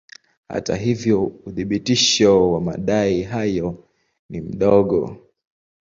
Hata hivyo uthibitisho wa madai hayo ni mdogo.